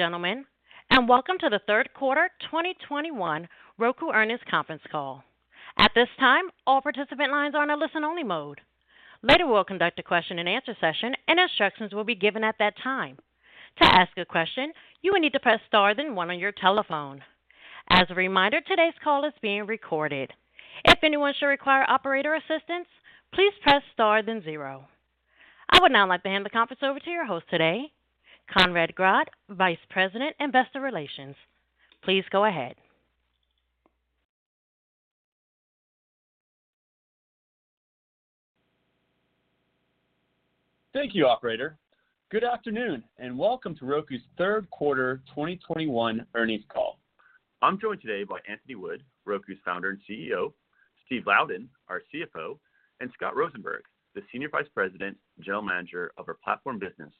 Gentlemen, welcome to the Third Quarter 2021 Roku Earnings Conference Call. At this time, all participant lines are in a listen-only mode. Later we'll conduct a question-and-answer session, and instructions will be given at that time. To ask a question, you will need to press Star then One on your telephone. As a reminder, today's call is being recorded. If anyone should require operator assistance, please press Star then Zero. I would now like to hand the conference over to your host today, Conrad Grodd, Vice President, Investor Relations. Please go ahead. Thank you, operator. Good afternoon, and welcome to Roku's third quarter 2021 earnings call. I'm joined today by Anthony Wood, Roku's Founder and CEO, Steve Louden, our CFO, and Scott Rosenberg, the Senior Vice President and General Manager of our Platform Business,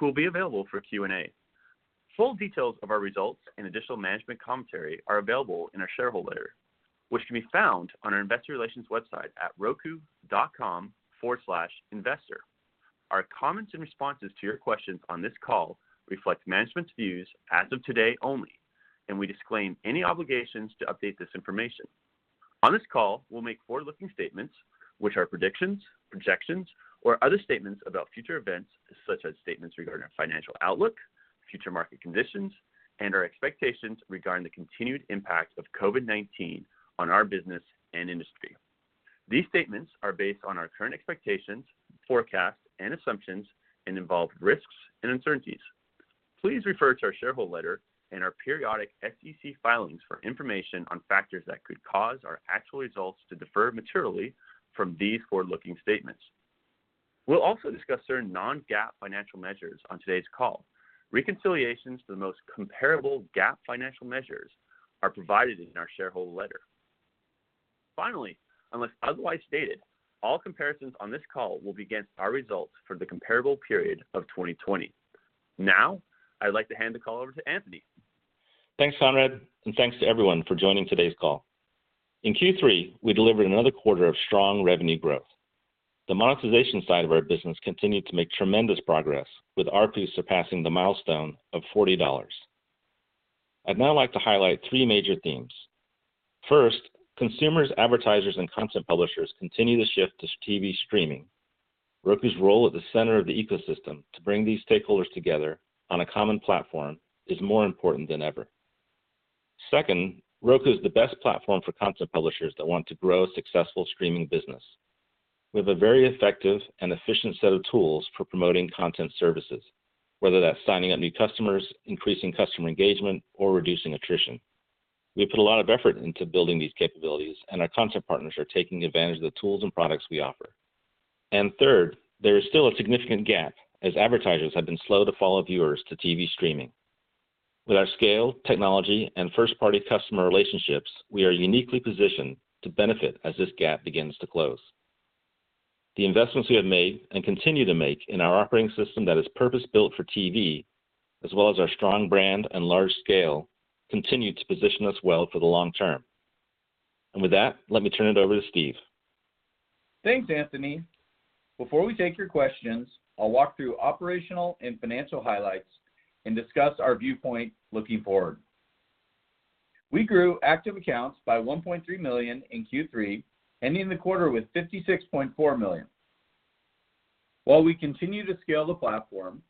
who will be available for Q&A. Full details of our results and additional management commentary are available in our shareholder letter, which can be found on our investor relations website at roku.com/investor. Our comments and responses to your questions on this call reflect management's views as of today only, and we disclaim any obligations to update this information. On this call, we'll make forward-looking statements, which are predictions, projections, or other statements about future events, such as statements regarding our financial outlook, future market conditions, and our expectations regarding the continued impact of COVID-19 on our business and industry. These statements are based on our current expectations, forecasts, and assumptions and involve risks and uncertainties. Please refer to our shareholder letter and our periodic SEC filings for information on factors that could cause our actual results to differ materially from these forward-looking statements. We'll also discuss certain non-GAAP financial measures on today's call. Reconciliations to the most comparable GAAP financial measures are provided in our shareholder letter. Finally, unless otherwise stated, all comparisons on this call will be against our results for the comparable period of 2020. Now, I'd like to hand the call over to Anthony. Thanks, Conrad, and thanks to everyone for joining today's call. In Q3, we delivered another quarter of strong revenue growth. The monetization side of our business continued to make tremendous progress, with ARPU surpassing the milestone of $40. I'd now like to highlight three major themes. First, consumers, advertisers, and content publishers continue to shift to TV streaming. Roku's role at the center of the ecosystem to bring these stakeholders together on a common platform is more important than ever. Second, Roku is the best platform for content publishers that want to grow a successful streaming business. We have a very effective and efficient set of tools for promoting content services, whether that's signing up new customers, increasing customer engagement, or reducing attrition. We put a lot of effort into building these capabilities, and our content partners are taking advantage of the tools and products we offer. Third, there is still a significant gap as advertisers have been slow to follow viewers to TV streaming. With our scale, technology, and first-party customer relationships, we are uniquely positioned to benefit as this gap begins to close. The investments we have made and continue to make in our operating system that is purpose-built for TV, as well as our strong brand and large scale, continue to position us well for the long term. With that, let me turn it over to Steve. Thanks, Anthony. Before we take your questions, I'll walk through operational and financial highlights and discuss our viewpoint looking forward. We grew active accounts by 1.3 million in Q3, ending the quarter with 56.4 million. While we continue to scale the platform,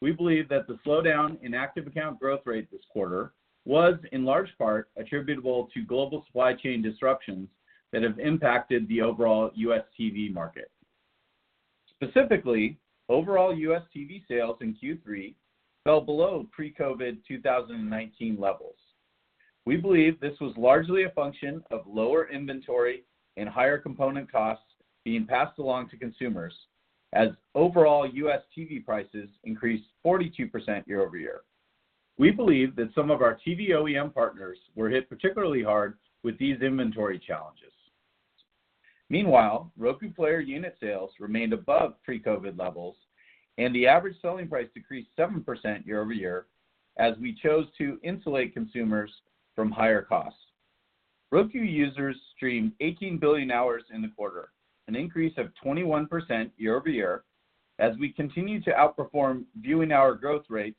we believe that the slowdown in active account growth rate this quarter was in large part attributable to global supply chain disruptions that have impacted the overall U.S. TV market. Specifically, overall U.S. TV sales in Q3 fell below pre-COVID 2019 levels. We believe this was largely a function of lower inventory and higher component costs being passed along to consumers as overall U.S. TV prices increased 42% year-over-year. We believe that some of our TV OEM partners were hit particularly hard with these inventory challenges. Meanwhile, Roku player unit sales remained above pre-COVID-19 levels, and the average selling price decreased 7% year-over-year as we chose to insulate consumers from higher costs. Roku users streamed 18 billion hours in the quarter, an increase of 21% year-over-year, as we continue to outperform viewing hour growth rates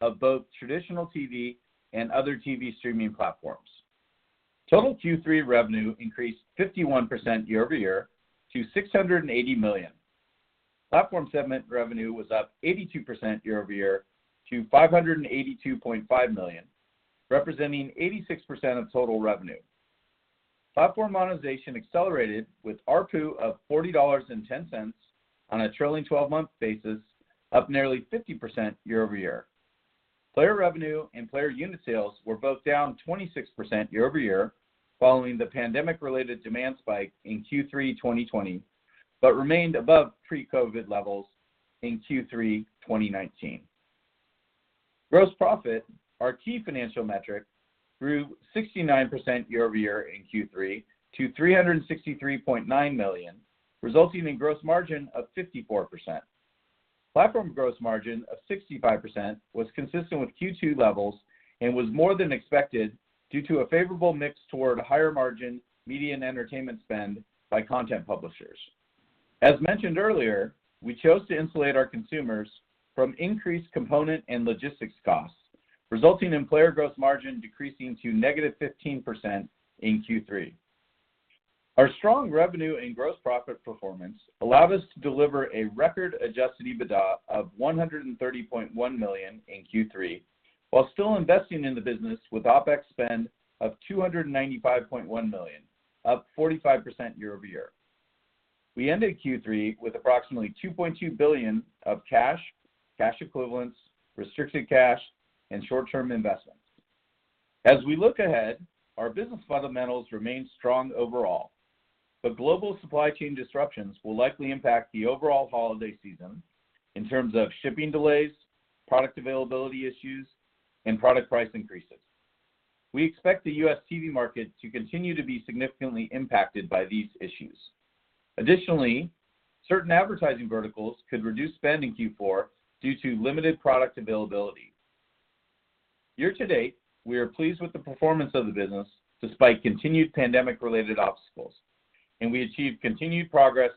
of both traditional TV and other TV streaming platforms. Total Q3 revenue increased 51% year-over-year to $680 million. Platform segment revenue was up 82% year-over-year to $582.5 million, representing 86% of total revenue. Platform monetization accelerated with ARPU of $40.10 on a trailing twelve-month basis, up nearly 50% year-over-year. Player revenue and player unit sales were both down 26% year-over-year following the pandemic-related demand spike in Q3 2020, but remained above pre-COVID levels in Q3 2019. Gross profit, our key financial metric, grew 69% year-over-year in Q3 to $363.9 million, resulting in gross margin of 54%. Platform gross margin of 65% was consistent with Q2 levels and was more than expected due to a favorable mix toward higher-margin media and entertainment spend by content publishers. As mentioned earlier, we chose to insulate our consumers from increased component and logistics costs, resulting in player gross margin decreasing to -15% in Q3. Our strong revenue and gross profit performance allowed us to deliver a record adjusted EBITDA of $130.1 million in Q3, while still investing in the business with OPEX spend of $295.1 million, up 45% year-over-year. We ended Q3 with approximately $2.2 billion of cash equivalents, restricted cash, and short-term investments. As we look ahead, our business fundamentals remain strong overall, but global supply chain disruptions will likely impact the overall holiday season in terms of shipping delays, product availability issues, and product price increases. We expect the U.S. TV market to continue to be significantly impacted by these issues. Additionally, certain advertising verticals could reduce spend in Q4 due to limited product availability. Year to date, we are pleased with the performance of the business despite continued pandemic-related obstacles, and we achieved continued progress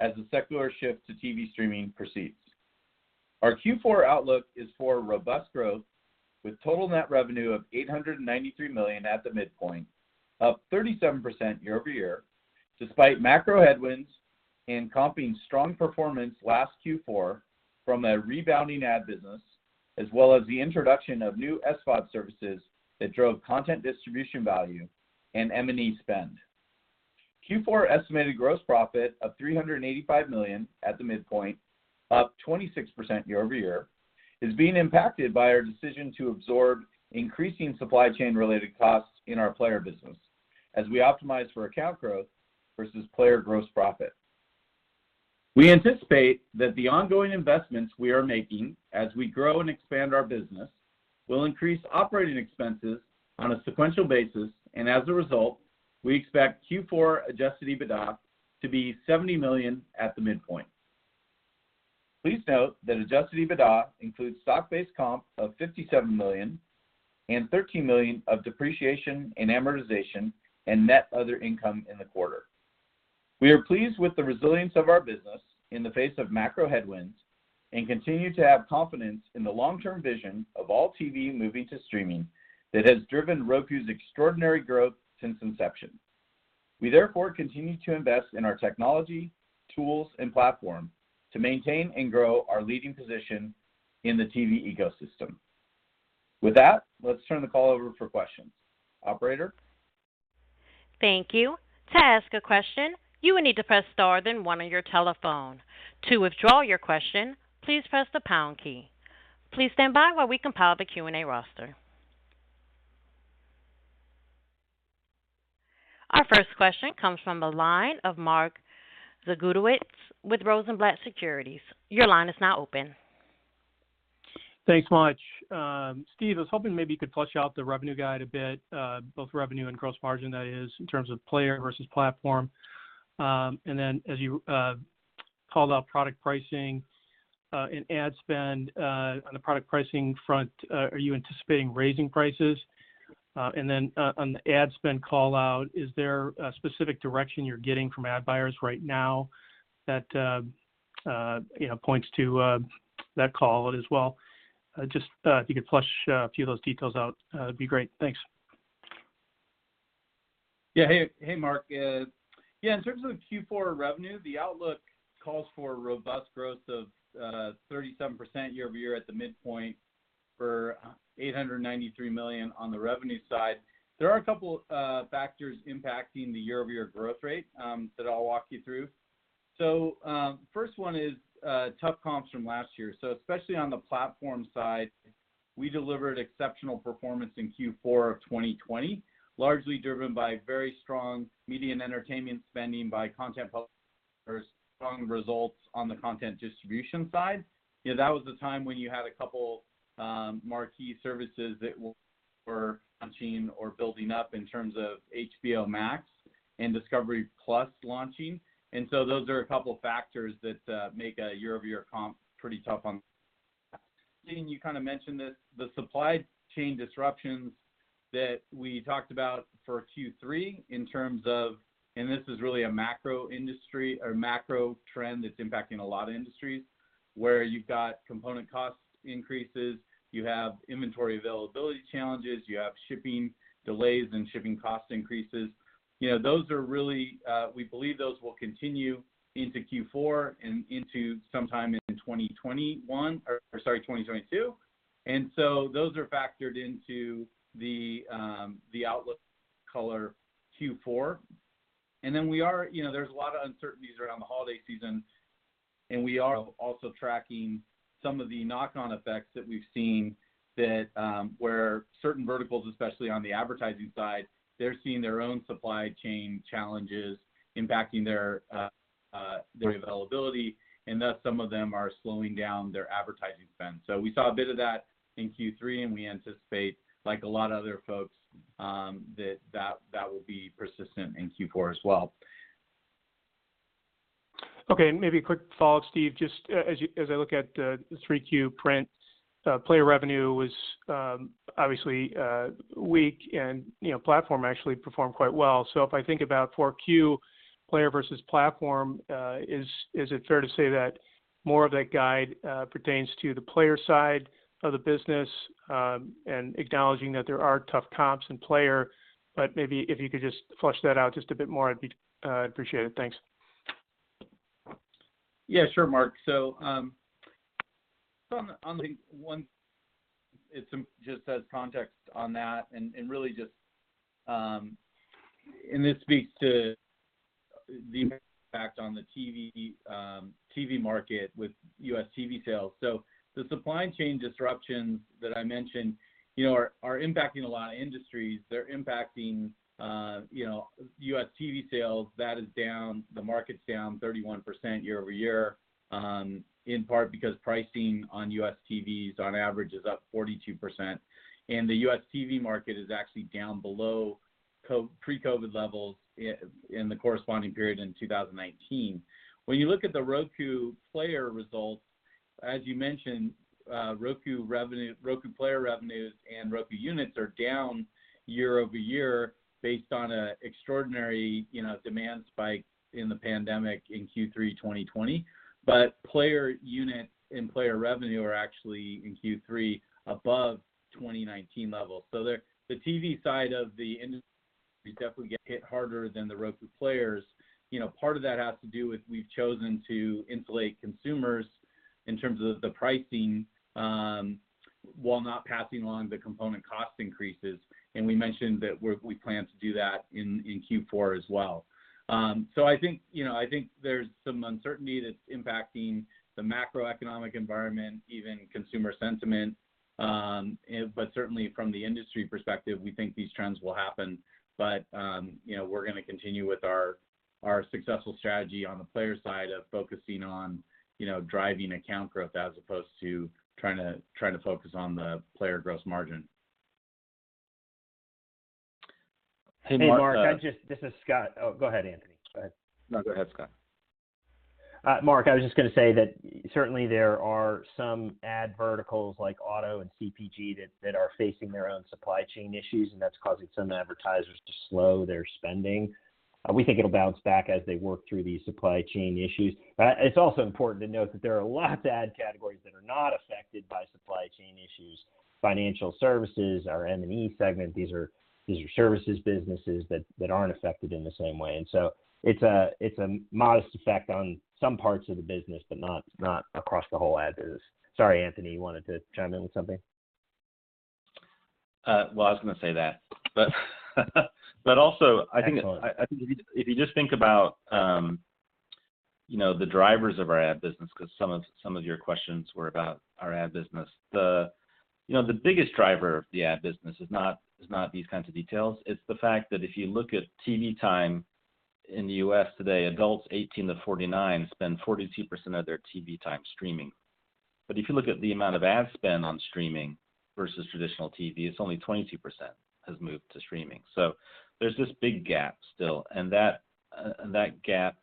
as the secular shift to TV streaming proceeds. Our Q4 outlook is for robust growth with total net revenue of $893 million at the midpoint, up 37% year-over-year, despite macro headwinds and comping strong performance last Q4 from a rebounding ad business, as well as the introduction of new SVOD services that drove content distribution value and M&E spend. Q4 estimated gross profit of $385 million at the midpoint, up 26% year-over-year, is being impacted by our decision to absorb increasing supply chain-related costs in our player business as we optimize for account growth versus player gross profit. We anticipate that the ongoing investments we are making as we grow and expand our business will increase operating expenses on a sequential basis, and as a result, we expect Q4 adjusted EBITDA to be $70 million at the midpoint. Please note that adjusted EBITDA includes stock-based comp of $57 million and $13 million of depreciation and amortization and net other income in the quarter. We are pleased with the resilience of our business in the face of macro headwinds and continue to have confidence in the long-term vision of all TV moving to streaming that has driven Roku's extraordinary growth since inception. We therefore continue to invest in our technology, tools, and platform to maintain and grow our leading position in the TV ecosystem. With that, let's turn the call over for questions. Operator? Thank you. To ask a question, you will need to press star then one on your telephone. To withdraw your question, please press the pound key. Please stand by while we compile the Q&A roster. Our first question comes from the line of Mark Zgutowicz with Rosenblatt Securities. Your line is now open. Thanks much. Steve, I was hoping maybe you could flesh out the revenue guide a bit, both revenue and gross margin, that is, in terms of player versus platform. As you called out product pricing and ad spend, on the product pricing front, are you anticipating raising prices? On the ad spend call-out, is there a specific direction you're getting from ad buyers right now that you know points to that call as well? Just if you could flesh a few of those details out, that'd be great. Thanks. Yeah. Hey, Mark. Yeah, in terms of Q4 revenue, the outlook calls for robust growth of 37% year-over-year at the midpoint for $893 million on the revenue side. There are a couple factors impacting the year-over-year growth rate that I'll walk you through. First one is tough comps from last year. Especially on the platform side, we delivered exceptional performance in Q4 of 2020, largely driven by very strong media and entertainment spending by content publishers, strong results on the content distribution side. You know, that was the time when you had a couple marquee services that were launching or building up in terms of HBO Max and discovery+ launching. Those are a couple of factors that make a year-over-year comp pretty tough on. You kind of mentioned this, the supply chain disruptions that we talked about for Q3 in terms of, and this is really a macro industry or macro trend that's impacting a lot of industries, where you've got component cost increases, you have inventory availability challenges, you have shipping delays and shipping cost increases. You know, those are really, we believe those will continue into Q4 and into sometime in 2021, sorry, 2022. Those are factored into the outlook color Q4. We are, you know, there's a lot of uncertainties around the holiday season, and we are also tracking some of the knock-on effects that we've seen where certain verticals, especially on the advertising side, they're seeing their own supply chain challenges impacting their availability, and thus some of them are slowing down their advertising spend. So we saw a bit of that in Q3, and we anticipate, like a lot of other folks, that will be persistent in Q4 as well. Okay, maybe a quick follow-up, Steve. Just, as I look at the Q3 print, player revenue was obviously weak, and you know, platform actually performed quite well. If I think about Q4 player versus platform, is it fair to say that more of that guide pertains to the player side of the business, and acknowledging that there are tough comps in player, but maybe if you could just flesh that out just a bit more, I'd appreciate it. Thanks. Yeah, sure, Mark. Just as context on that and really just this speaks to the impact on the TV market with U.S. TV sales. The supply chain disruptions that I mentioned, you know, are impacting a lot of industries. They're impacting, you know, U.S. TV sales. That is down. The market's down 31% year-over-year, in part because pricing on U.S. TVs on average is up 42%. The U.S. TV market is actually down below pre-COVID levels in the corresponding period in 2019. When you look at the Roku player results, as you mentioned, Roku player revenues and Roku units are down year-over-year based on an extraordinary, you know, demand spike in the pandemic in Q3 2020. Player units and player revenue are actually in Q3 above 2019 levels. The TV side of the industry definitely got hit harder than the Roku players. You know, part of that has to do with we've chosen to insulate consumers in terms of the pricing, while not passing along the component cost increases. We mentioned that we plan to do that in Q4 as well. I think, you know, I think there's some uncertainty that's impacting the macroeconomic environment, even consumer sentiment. Certainly from the industry perspective, we think these trends will happen. You know, we're gonna continue with our successful strategy on the player side of focusing on, you know, driving account growth as opposed to trying to focus on the player gross margin. Hey, Mark. Hey, Mark. This is Scott. Oh, go ahead, Anthony. Go ahead. No, go ahead, Scott. Mark, I was just gonna say that certainly there are some ad verticals like auto and CPG that are facing their own supply chain issues, and that's causing some advertisers to slow their spending. We think it'll bounce back as they work through these supply chain issues. It's also important to note that there are lots of ad categories that are not affected by supply chain issues. Financial services, our M&E segment, these are services businesses that aren't affected in the same way. It's a modest effect on some parts of the business, but not across the whole ad business. Sorry, Anthony, you wanted to chime in with something? well, I was gonna say that. also, I think. Excellent I think if you just think about you know the drivers of our ad business, 'cause some of your questions were about our ad business. You know the biggest driver of the ad business is not these kinds of details. It's the fact that if you look at TV time in the U.S. today, adults 18-49 spend 42% of their TV time streaming. If you look at the amount of ad spend on streaming versus traditional TV, it's only 22% has moved to streaming. There's this big gap still, and that gap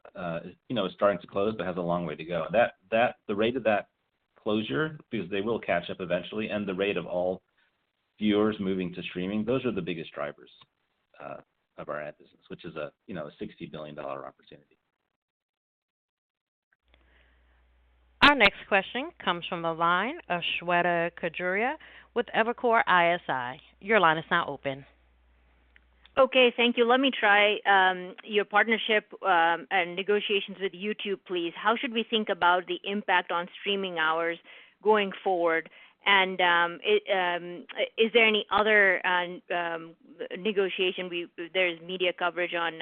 you know is starting to close, but has a long way to go. The rate of that closure, because they will catch up eventually, and the rate of all viewers moving to streaming, those are the biggest drivers of our ad business, which is, you know, a $60 billion opportunity. Our next question comes from the line of Shweta Khajuria with Evercore ISI. Your line is now open. Okay, thank you. Let me try your partnership and negotiations with YouTube, please. How should we think about the impact on streaming hours going forward? Is there any other negotiation? There is media coverage on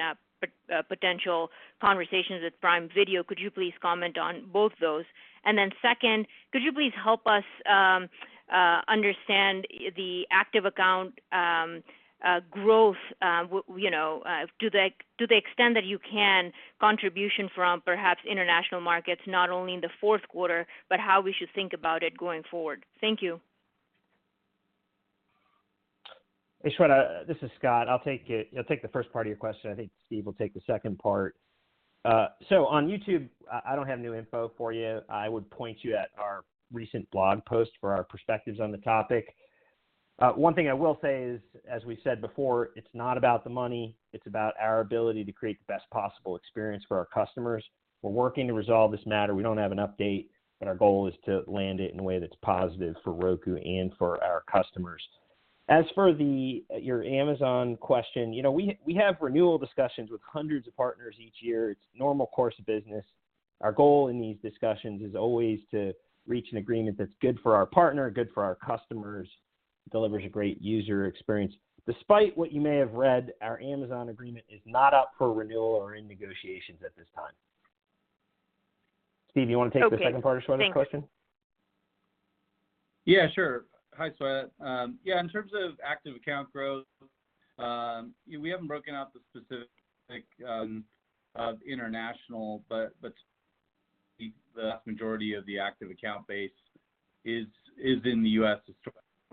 potential conversations with Prime Video. Could you please comment on both those? Second, could you please help us understand the active account growth, you know, to the extent that you can, contribution from perhaps international markets, not only in the fourth quarter, but how we should think about it going forward? Thank you. Hey, Shweta, this is Scott. I'll take it. I'll take the first part of your question. I think Steve will take the second part. So on YouTube, I don't have new info for you. I would point you at our recent blog post for our perspectives on the topic. One thing I will say is, as we said before, it's not about the money, it's about our ability to create the best possible experience for our customers. We're working to resolve this matter. We don't have an update, and our goal is to land it in a way that's positive for Roku and for our customers. As for your Amazon question, you know, we have renewal discussions with hundreds of partners each year. It's normal course of business. Our goal in these discussions is always to reach an agreement that's good for our partner, good for our customers, delivers a great user experience. Despite what you may have read, our Amazon agreement is not up for renewal or in negotiations at this time. Steve, you wanna take the second part of Shweta's question? Okay. Thank you. Yeah, sure. Hi, Shweta. In terms of active account growth, we haven't broken out the specific international, but the vast majority of the active account base It is in the U.S.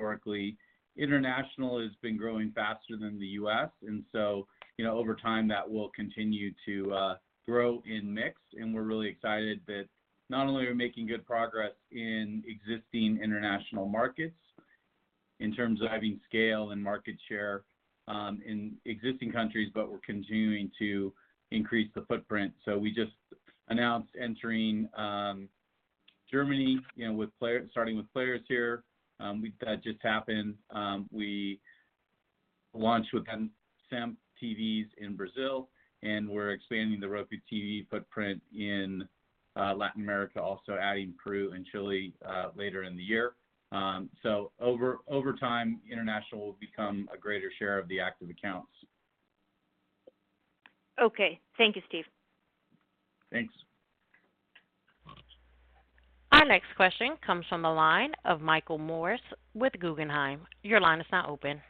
historically. International has been growing faster than the U.S. and so, you know, over time, that will continue to grow in mix. We're really excited that not only are we making good progress in existing international markets in terms of having scale and market share in existing countries, but we're continuing to increase the footprint. We just announced entering Germany, you know, starting with players here. That just happened. We launched with SEMP TVs in Brazil, and we're expanding the Roku TV footprint in Latin America, also adding Peru and Chile later in the year. Over time, international will become a greater share of the active accounts. Okay. Thank you, Steve. Thanks. Our next question comes from the line of Michael Morris with Guggenheim. Your line is now open.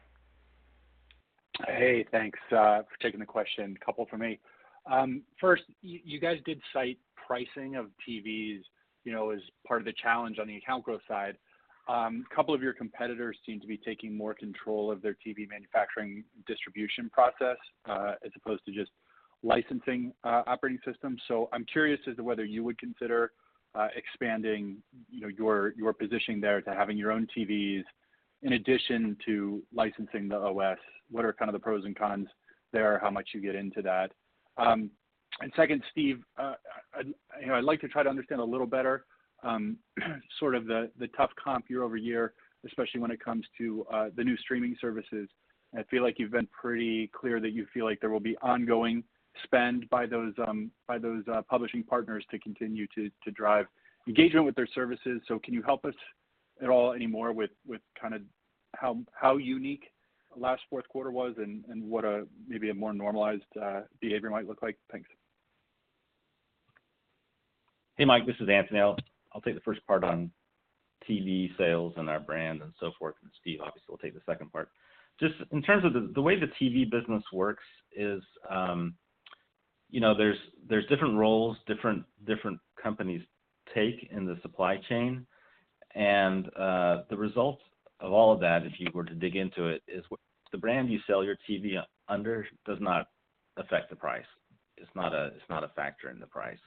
Hey, thanks for taking the question. A couple from me. First, you guys did cite pricing of TVs, you know, as part of the challenge on the account growth side. A couple of your competitors seem to be taking more control of their TV manufacturing distribution process as opposed to just licensing operating systems. I'm curious as to whether you would consider expanding, you know, your positioning there to having your own TVs in addition to licensing the OS. What are kind of the pros and cons there, how much you get into that? Second, Steve, you know, I'd like to try to understand a little better sort of the tough comp year over year, especially when it comes to the new streaming services. I feel like you've been pretty clear that you feel like there will be ongoing spend by those publishing partners to continue to drive engagement with their services. Can you help us at all any more with kind of how unique last fourth quarter was and what maybe a more normalized behavior might look like? Thanks. Hey, Mike, this is Anthony. I'll take the first part on TV sales and our brand and so forth, and Steve obviously will take the second part. Just in terms of the way the TV business works is, you know, there's different roles different companies take in the supply chain. The result of all of that, if you were to dig into it, is the brand you sell your TV under does not affect the price. It's not a factor in the price.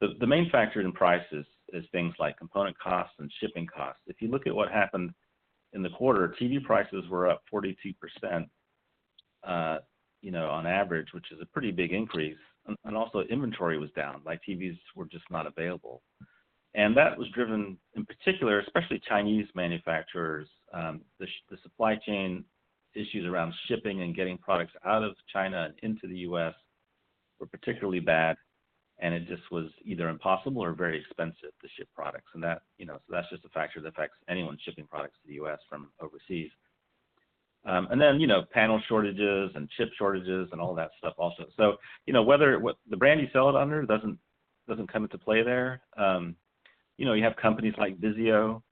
The main factor in price is things like component costs and shipping costs. If you look at what happened in the quarter, TV prices were up 42%, you know, on average, which is a pretty big increase. Also inventory was down. Like, TVs were just not available. That was driven in particular, especially Chinese manufacturers. The supply chain issues around shipping and getting products out of China into the U.S. were particularly bad, and it just was either impossible or very expensive to ship products. That, you know, that's just a factor that affects anyone shipping products to the U.S. from overseas. You know, panel shortages and chip shortages and all that stuff also. You know, whether the brand you sell it under doesn't come into play there. You know, you have companies like VIZIO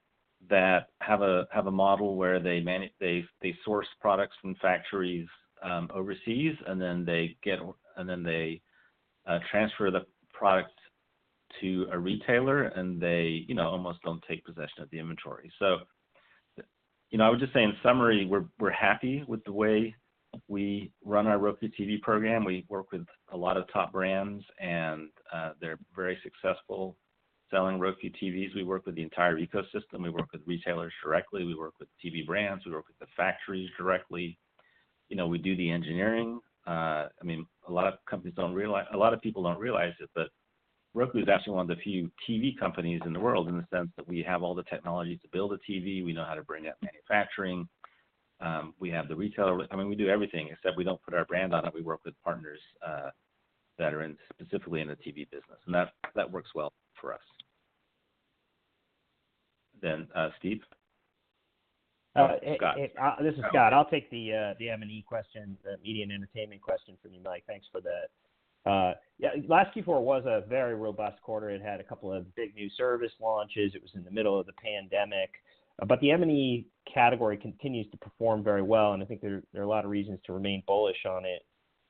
that have a model where they source products from factories overseas, and then they transfer the product to a retailer, and they, you know, almost don't take possession of the inventory. You know, I would just say in summary, we're happy with the way we run our Roku TV program. We work with a lot of top brands, and they're very successful selling Roku TVs. We work with the entire ecosystem. We work with retailers directly. We work with TV brands. We work with the factories directly. You know, we do the engineering. I mean, a lot of companies don't realize a lot of people don't realize it, but Roku is actually one of the few TV companies in the world in the sense that we have all the technology to build a TV. We know how to bring up manufacturing. We have the retailer. I mean, we do everything, except we don't put our brand on it. We work with partners that are specifically in the TV business, and that works well for us. Steve. Uh, it- Scott. This is Scott. I'll take the M&E question, the media and entertainment question from you, Mike. Thanks for that. Yeah, last Q4 was a very robust quarter. It had a couple of big new service launches. It was in the middle of the pandemic. The M&E category continues to perform very well, and I think there are a lot of reasons to remain bullish on it.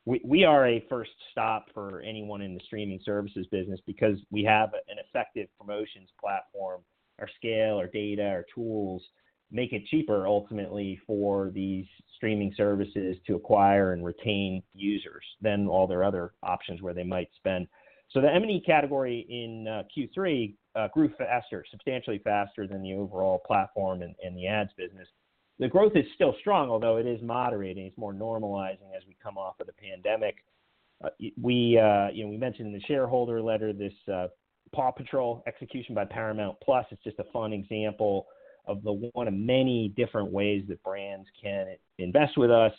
We are a first stop for anyone in the streaming services business because we have an effective promotions platform. Our scale, our data, our tools make it cheaper ultimately for these streaming services to acquire and retain users than all their other options where they might spend. The M&E category in Q3 grew faster, substantially faster than the overall platform and the ads business. The growth is still strong, although it is moderating. It's more normalizing as we come off of the pandemic. You know, we mentioned in the shareholder letter this PAW Patrol execution by Paramount+. It's just a fun example of the one of many different ways that brands can invest with us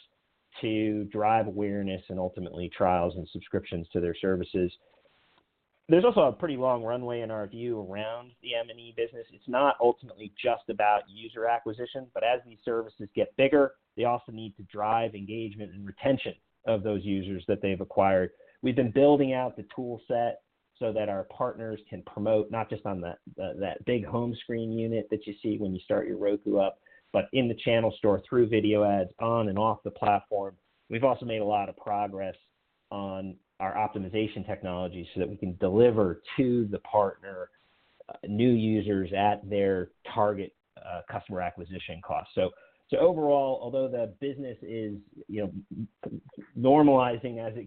to drive awareness and ultimately trials and subscriptions to their services. There's also a pretty long runway, in our view, around the M&E business. It's not ultimately just about user acquisition, but as these services get bigger, they also need to drive engagement and retention of those users that they've acquired. We've been building out the tool set so that our partners can promote not just on that big home screen unit that you see when you start your Roku up, but in the channel store through video ads on and off the platform. We've also made a lot of progress on our optimization technology so that we can deliver to the partner new users at their target customer acquisition cost. So overall, although the business is normalizing as we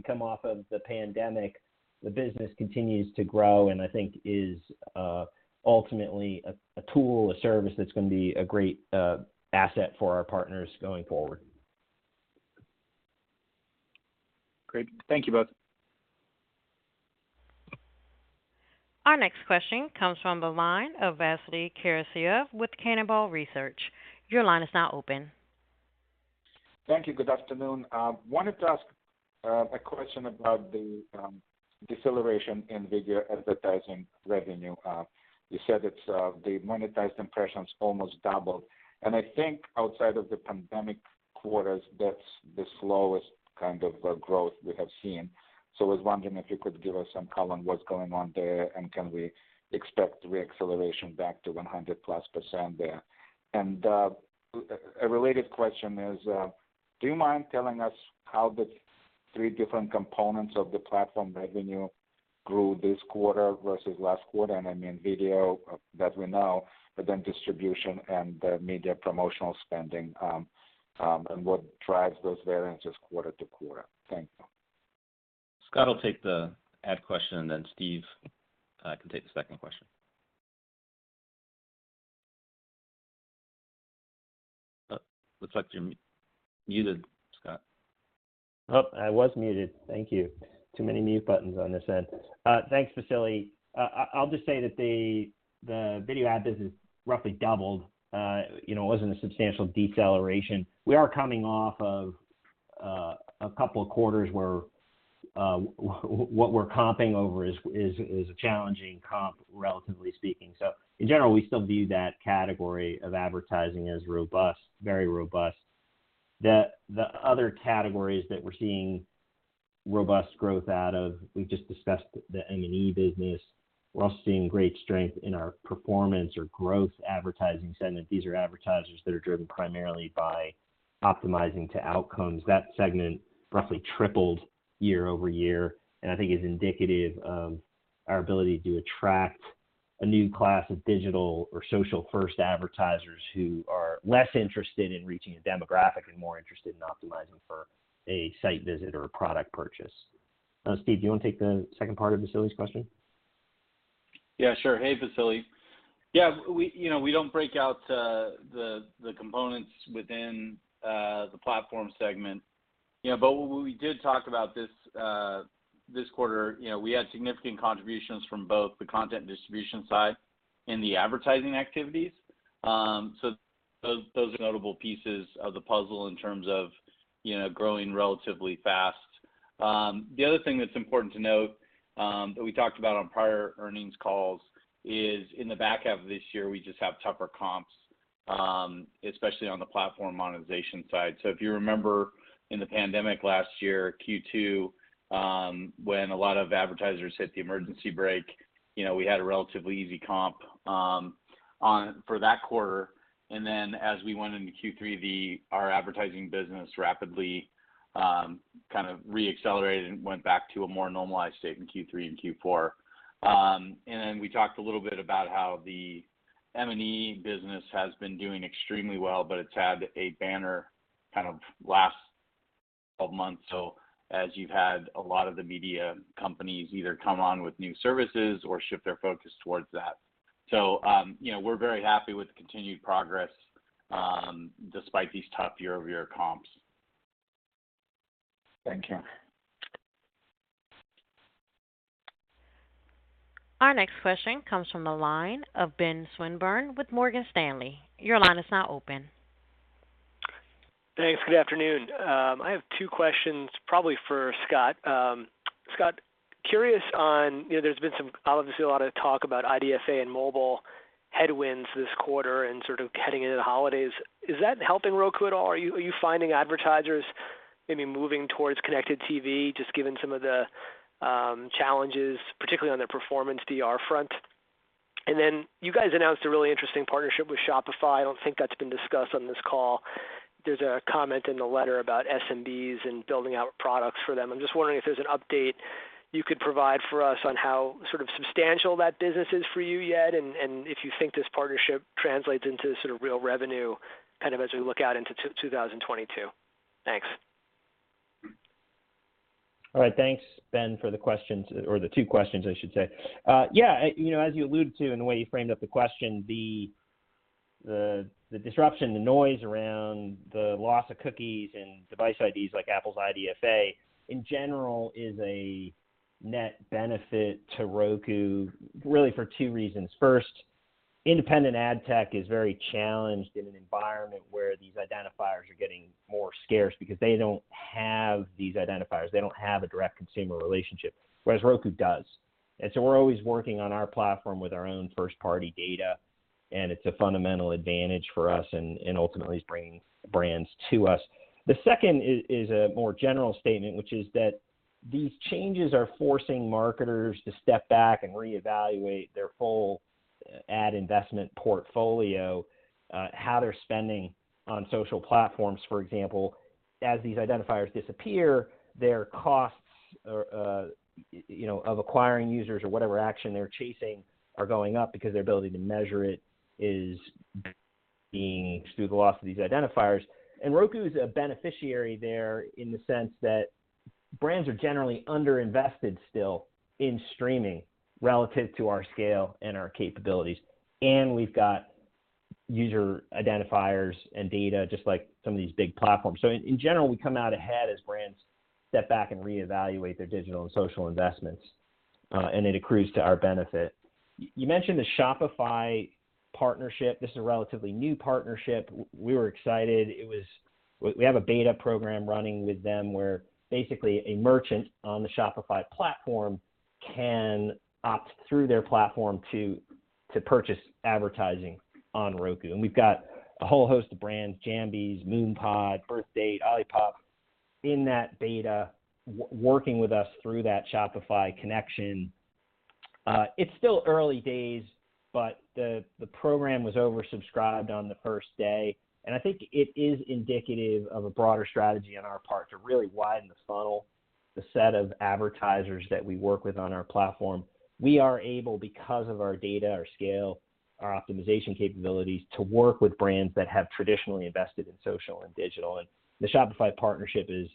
come off of the pandemic, the business continues to grow, and I think is ultimately a tool, a service that's gonna be a great asset for our partners going forward. Great. Thank you both. Our next question comes from the line of Vasily Karasyov with Cannonball Research. Your line is now open. Thank you. Good afternoon. I wanted to ask a question about the deceleration in video advertising revenue. You said it's the monetized impressions almost doubled. I think outside of the pandemic quarters, that's the slowest kind of growth we have seen. I was wondering if you could give us some color on what's going on there, and can we expect re-acceleration back to 100%+ there? A related question is, do you mind telling us how the three different components of the platform revenue grew this quarter versus last quarter? I mean video that we know, but then distribution and the media promotional spending, and what drives those variances quarter to quarter. Thank you. Scott will take the ad question, and then Steve can take the second question. Looks like you're muted, Scott. Oh, I was muted. Thank you. Too many mute buttons on this end. Thanks, Vasily. I'll just say that the video ad business roughly doubled. You know, it wasn't a substantial deceleration. We are coming off of a couple of quarters where what we're comping over is a challenging comp, relatively speaking. In general, we still view that category of advertising as robust, very robust. The other categories that we're seeing robust growth out of, we've just discussed the M&E business. We're also seeing great strength in our performance or growth advertising segment. These are advertisers that are driven primarily by optimizing to outcomes. That segment roughly tripled year-over-year, and I think is indicative of our ability to attract a new class of digital or social-first advertisers who are less interested in reaching a demographic and more interested in optimizing for a site visit or a product purchase. Steve, do you want to take the second part of Vasily's question? Yeah, sure. Hey, Vasily. Yeah, you know, we don't break out the components within the platform segment. You know, what we did talk about this quarter, you know, we had significant contributions from both the content and distribution side in the advertising activities. Those are notable pieces of the puzzle in terms of you know growing relatively fast. The other thing that's important to note that we talked about on prior earnings calls is in the back half of this year, we just have tougher comps, especially on the platform monetization side. If you remember in the pandemic last year, Q2, when a lot of advertisers hit the emergency brake, you know, we had a relatively easy comp on for that quarter. Then as we went into Q3, our advertising business rapidly kind of re-accelerated and went back to a more normalized state in Q3 and Q4. Then we talked a little bit about how the M&E business has been doing extremely well, but it's had a banner kind of last 12 months. As you've had a lot of the media companies either come on with new services or shift their focus towards that. You know, we're very happy with the continued progress, despite these tough year-over-year comps. Thank you. Our next question comes from the line of Ben Swinburne with Morgan Stanley. Your line is now open. Thanks. Good afternoon. I have two questions probably for Scott. Scott, curious on, you know, there's been some obviously a lot of talk about IDFA and mobile headwinds this quarter and sort of heading into the holidays. Is that helping Roku at all? Are you finding advertisers maybe moving towards connected TV, just given some of the challenges, particularly on their performance DR front? And then you guys announced a really interesting partnership with Shopify. I don't think that's been discussed on this call. There's a comment in the letter about SMBs and building out products for them. I'm just wondering if there's an update you could provide for us on how sort of substantial that business is for you yet, and if you think this partnership translates into sort of real revenue kind of as we look out into 2022. Thanks. All right. Thanks, Ben, for the questions, or the two questions, I should say. Yeah, you know, as you alluded to in the way you framed up the question, the disruption, the noise around the loss of cookies and device IDs like Apple's IDFA in general is a net benefit to Roku, really for two reasons. First, independent ad tech is very challenged in an environment where these identifiers are getting more scarce because they don't have these identifiers. They don't have a direct consumer relationship, whereas Roku does. We're always working on our platform with our own first-party data, and it's a fundamental advantage for us and ultimately is bringing brands to us. The second is a more general statement, which is that these changes are forcing marketers to step back and reevaluate their full ad investment portfolio, how they're spending on social platforms, for example. As these identifiers disappear, their costs are, you know, of acquiring users or whatever action they're chasing are going up because their ability to measure it is being through the loss of these identifiers. Roku is a beneficiary there in the sense that brands are generally under-invested still in streaming relative to our scale and our capabilities. We've got user identifiers and data just like some of these big platforms. In general, we come out ahead as brands step back and reevaluate their digital and social investments, and it accrues to our benefit. You mentioned the Shopify partnership. This is a relatively new partnership. We were excited. We have a beta program running with them where basically a merchant on the Shopify platform can opt through their platform to purchase advertising on Roku. We've got a whole host of brands, Jambys, Moon Pod, Birthdate, OLIPOP, in that beta working with us through that Shopify connection. It's still early days, but the program was oversubscribed on the first day. I think it is indicative of a broader strategy on our part to really widen the funnel, the set of advertisers that we work with on our platform. We are able, because of our data, our scale, our optimization capabilities, to work with brands that have traditionally invested in social and digital. The Shopify partnership is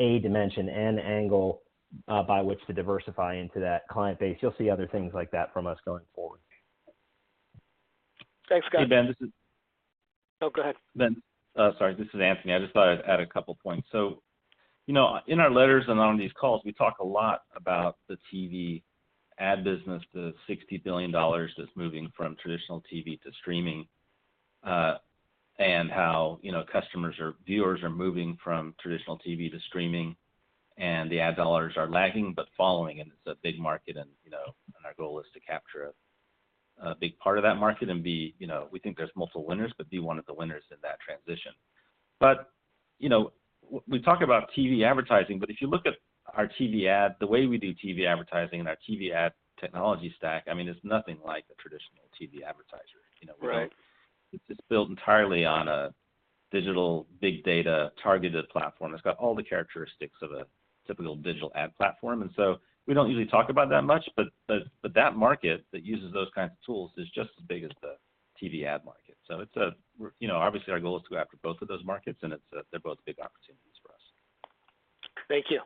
a dimension and angle by which to diversify into that client base. You'll see other things like that from us going forward. Thanks, Scott. Hey, Ben, this is. Oh, go ahead. Ben. Oh, sorry, this is Anthony. I just thought I'd add a couple points. You know, in our letters and on these calls, we talk a lot about the TV ad business, the $60 billion that's moving from traditional TV to streaming, and how, you know, customers or viewers are moving from traditional TV to streaming, and the ad dollars are lagging but following, and it's a big market and, you know, and our goal is to capture a big part of that market and be, you know, we think there's multiple winners, but be one of the winners in that transition. You know, we talk about TV advertising, but if you look at our TV ad, the way we do TV advertising and our TV ad technology stack, I mean, it's nothing like a traditional TV advertiser, you know? Right. It's built entirely on a digital big data targeted platform. It's got all the characteristics of a typical digital ad platform. We don't usually talk about it that much, but that market that uses those kinds of tools is just as big as the TV ad market. We're, you know, obviously our goal is to go after both of those markets and they're both big opportunities for us. Thank you.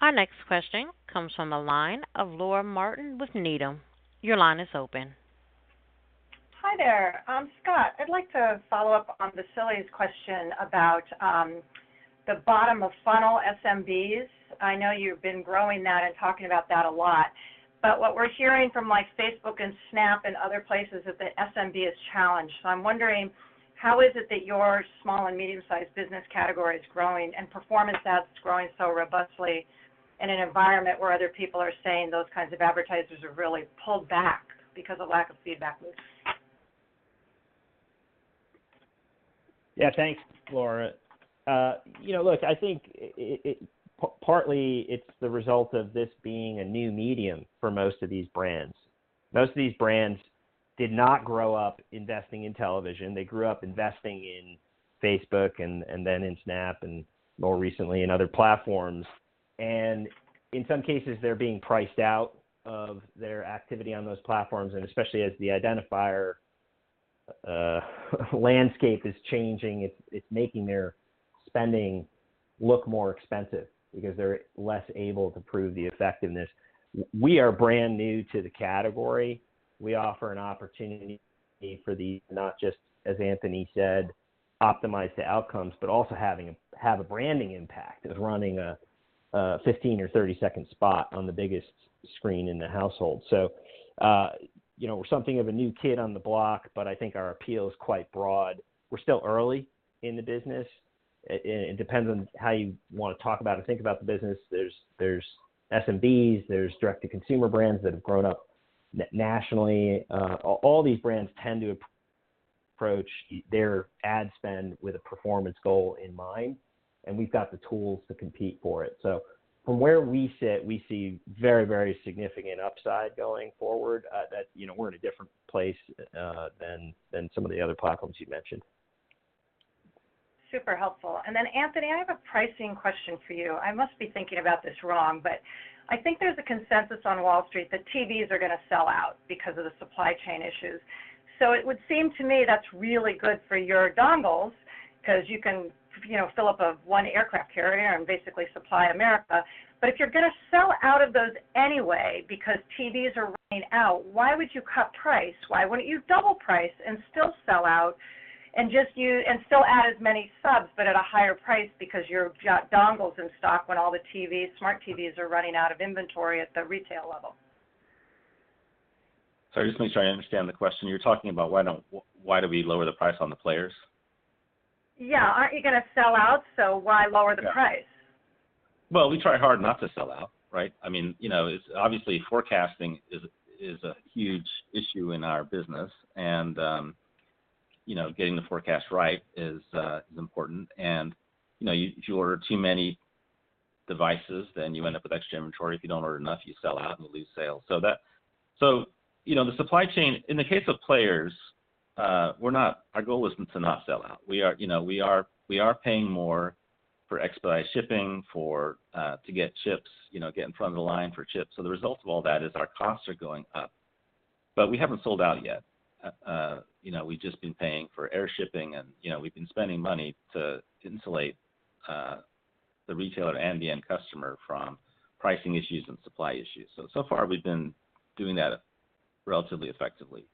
Our next question comes from the line of Laura Martin with Needham. Your line is open. Hi there. Scott, I'd like to follow up on Vasily's question about the bottom of funnel SMBs. I know you've been growing that and talking about that a lot. What we're hearing from like Facebook and Snap and other places is that SMB is challenged. I'm wondering how is it that your small and medium sized business category is growing and performance ads is growing so robustly in an environment where other people are saying those kinds of advertisers are really pulled back because of lack of feedback loops? Yeah. Thanks, Laura. You know, look, I think it partly it's the result of this being a new medium for most of these brands. Most of these brands did not grow up investing in television. They grew up investing in Facebook and then in Snap and more recently in other platforms. In some cases, they're being priced out of their activity on those platforms. Especially as the IDFA landscape is changing, it's making their spending look more expensive because they're less able to prove the effectiveness. We are brand new to the category. We offer an opportunity for these, not just, as Anthony said, optimize the outcomes, but also have a branding impact of running a 15 or 30-second spot on the biggest screen in the household. You know, we're something of a new kid on the block, but I think our appeal is quite broad. We're still early in the business. It depends on how you want to talk about or think about the business. There's SMBs, there's direct-to-consumer brands that have grown up nationally. All these brands tend to approach their ad spend with a performance goal in mind, and we've got the tools to compete for it. From where we sit, we see very, very significant upside going forward, that, you know, we're in a different place, than some of the other platforms you mentioned. Super helpful. Then Anthony, I have a pricing question for you. I must be thinking about this wrong, but I think there's a consensus on Wall Street that TVs are gonna sell out because of the supply chain issues. It would seem to me that's really good for your dongles because you can, you know, fill up one aircraft carrier and basically supply America. If you're gonna sell out of those anyway because TVs are running out, why would you cut price? Why wouldn't you double price and still sell out and still add as many subs but at a higher price because you've got dongles in stock when all the TVs, smart TVs are running out of inventory at the retail level? Sorry, just making sure I understand the question. You're talking about why do we lower the price on the players? Yeah. Aren't you gonna sell out, so why lower the price? Well, we try hard not to sell out, right? I mean, you know, it's obviously forecasting is a huge issue in our business. You know, getting the forecast right is important. You know, if you order too many devices, then you end up with extra inventory. If you don't order enough, you sell out and lose sales. You know, the supply chain, in the case of players, our goal is to not sell out. We are, you know, paying more for expedited shipping for to get chips, you know, get in front of the line for chips. So the result of all that is our costs are going up. We haven't sold out yet. You know, we've just been paying for air shipping and, you know, we've been spending money to insulate the retailer and the end customer from pricing issues and supply issues. So far we've been doing that relatively effectively.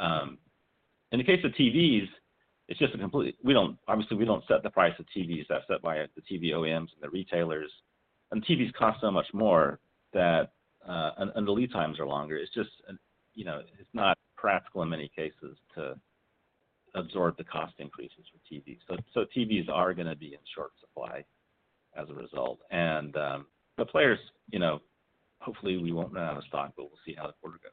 In the case of TVs, obviously, we don't set the price of TVs. That's set by the TV OEMs and the retailers. TVs cost so much more that the lead times are longer. It's just, you know, it's not practical in many cases to absorb the cost increases for TVs. So TVs are gonna be in short supply as a result. The players, you know, hopefully we won't run out of stock, but we'll see how the quarter goes.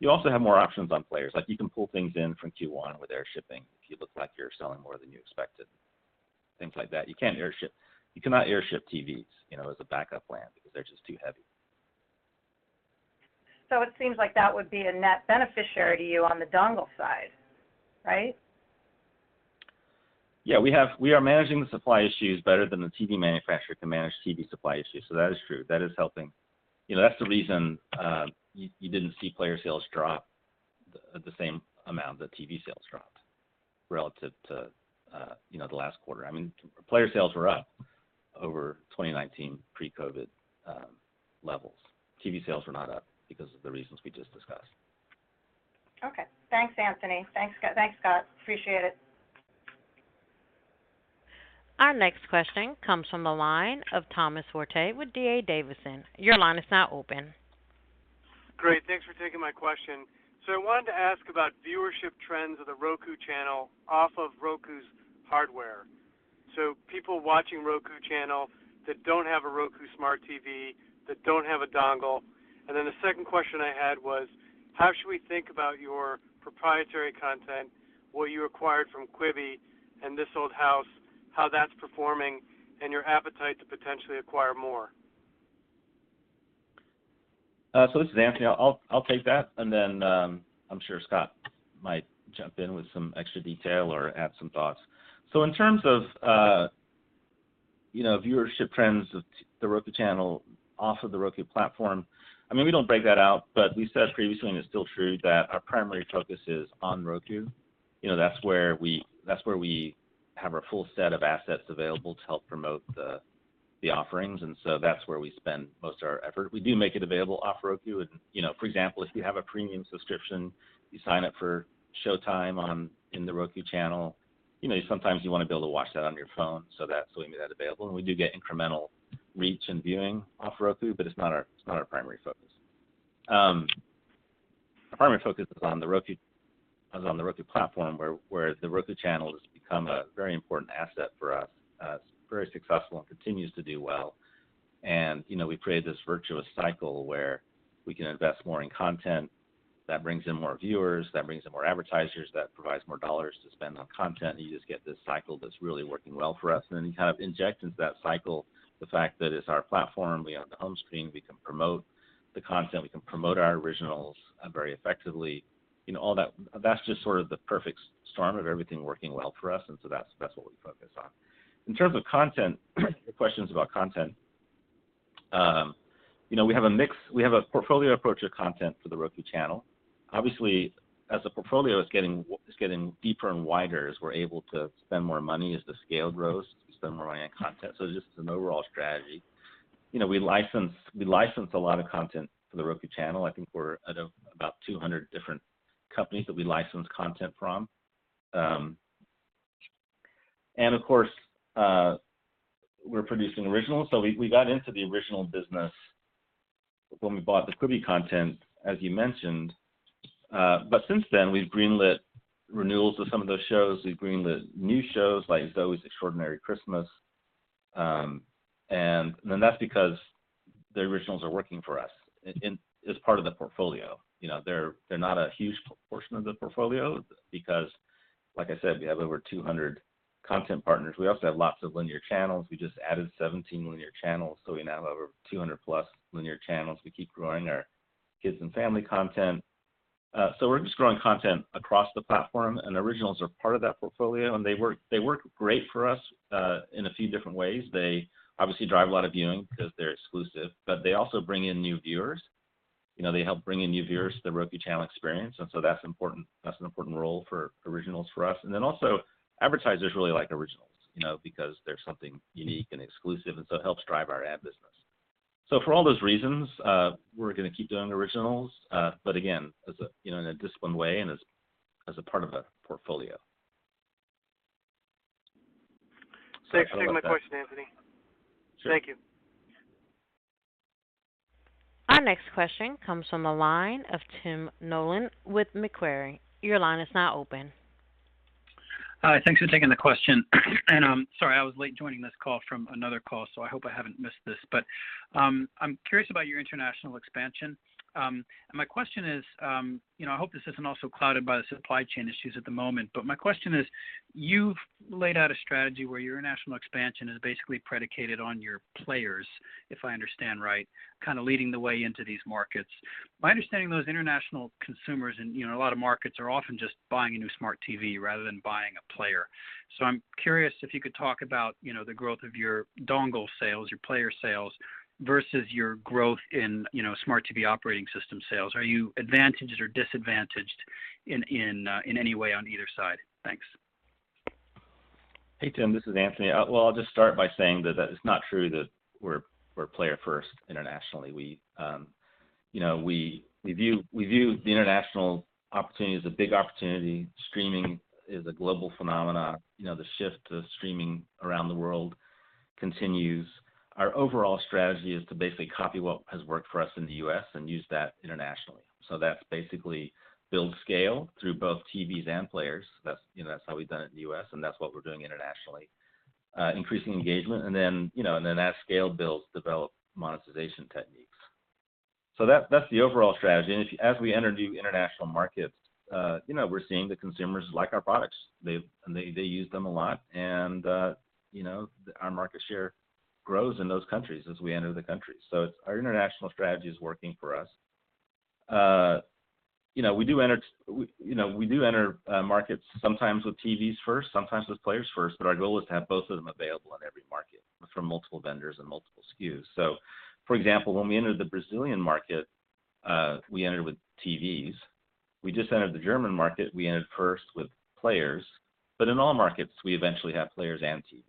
You also have more options on players. Like, you can pull things in from Q1 with air shipping if you look like you're selling more than you expected, things like that. You cannot airship TVs, you know, as a backup plan because they're just too heavy. It seems like that would be a net beneficiary to you on the dongle side, right? Yeah. We are managing the supply issues better than the TV manufacturer can manage TV supply issues. That is true. That is helping. You know, that's the reason you didn't see player sales drop the same amount that TV sales dropped relative to, you know, the last quarter. I mean, player sales were up over 2019 pre-COVID-19 levels. TV sales were not up because of the reasons we just discussed. Okay. Thanks, Anthony. Thanks, Scott. Appreciate it. Our next question comes from the line of Thomas Forte with D.A. Davidson. Your line is now open. Great. Thanks for taking my question. I wanted to ask about viewership trends of The Roku Channel off of Roku's hardware. People watching Roku Channel that don't have a Roku smart TV, that don't have a dongle. The second question I had was, how should we think about your proprietary content, what you acquired from Quibi and This Old House, how that's performing and your appetite to potentially acquire more? This is Anthony. I'll take that and then, I'm sure Scott might jump in with some extra detail or add some thoughts. In terms of, you know, viewership trends of the Roku Channel off of the Roku platform, I mean, we don't break that out, but we said previously, and it's still true, that our primary focus is on Roku. You know, that's where we have our full set of assets available to help promote the offerings, and that's where we spend most of our effort. We do make it available off Roku and, you know, for example, if you have a premium subscription, you sign up for Showtime in The Roku Channel. You know, sometimes you wanna be able to watch that on your phone, so we made that available, and we do get incremental reach and viewing off Roku, but it's not our primary focus. Our primary focus is on the Roku platform where The Roku Channel has become a very important asset for us. It's very successful and continues to do well. You know, we've created this virtuous cycle where we can invest more in content that brings in more viewers, that brings in more advertisers, that provides more dollars to spend on content, and you just get this cycle that's really working well for us. Then you kind of inject into that cycle the fact that it's our platform, we own the home screen, we can promote the content, we can promote our originals, very effectively. You know, all that's just sort of the perfect storm of everything working well for us, and that's what we focus on. In terms of content, the questions about content, you know, we have a mix. We have a portfolio approach to content for The Roku Channel. Obviously, as the portfolio is getting deeper and wider as we're able to spend more money as the scale grows to spend more money on content. It's just an overall strategy. You know, we license a lot of content for The Roku Channel. I think we're at about 200 different companies that we license content from. Of course, we're producing originals. We got into the original business when we bought the Quibi content, as you mentioned. Since then, we've greenlit renewals of some of those shows. We've greenlit new shows like Zoey's Extraordinary Christmas. Then that's because the originals are working for us in as part of the portfolio. You know, they're not a huge portion of the portfolio because, like I said, we have over 200 content partners. We also have lots of linear channels. We just added 17 linear channels, so we now have over 200+ linear channels. We keep growing our kids and family content. We're just growing content across the platform, and originals are part of that portfolio. They work great for us in a few different ways. They obviously drive a lot of viewing because they're exclusive, but they also bring in new viewers. You know, they help bring in new viewers to The Roku Channel experience, and so that's important. That's an important role for originals for us. Also advertisers really like originals, you know, because they're something unique and exclusive, and so it helps drive our ad business. For all those reasons, we're gonna keep doing originals, but again, as a, you know, in a disciplined way and as a part of a portfolio. Thanks. I don't know if that. Thanks for taking my question, Anthony. Sure. Thank you. Our next question comes from the line of Tim Nollen with Macquarie. Your line is now open. Hi. Thanks for taking the question. I'm sorry I was late joining this call from another call, so I hope I haven't missed this. I'm curious about your international expansion. My question is, you know, I hope this isn't also clouded by the supply chain issues at the moment, but my question is, you've laid out a strategy where your international expansion is basically predicated on your players, if I understand right, kind of leading the way into these markets. My understanding is that those international consumers in, you know, a lot of markets are often just buying a new smart TV rather than buying a player. I'm curious if you could talk about, you know, the growth of your dongle sales, your player sales versus your growth in, you know, smart TV operating system sales. Are you advantaged or disadvantaged in any way on either side? Thanks. Hey, Tim, this is Anthony. Well, I'll just start by saying that it's not true that we're player first internationally. We, you know, view the international opportunity as a big opportunity. Streaming is a global phenomenon. You know, the shift to streaming around the world continues. Our overall strategy is to basically copy what has worked for us in the U.S. and use that internationally. That's basically build scale through both TVs and players. That's, you know, how we've done it in the U.S., and that's what we're doing internationally. Increasing engagement and then, you know, that scale builds, develop monetization techniques. That's the overall strategy. As we enter new international markets, you know, we're seeing consumers like our products. They use them a lot and, you know, our market share grows in those countries as we enter the countries. Our international strategy is working for us. You know, we do enter markets sometimes with TVs first, sometimes with players first, but our goal is to have both of them available in every market from multiple vendors and multiple SKUs. For example, when we entered the Brazilian market, we entered with TVs. We just entered the German market. We entered first with players. In all markets, we eventually have players and TVs.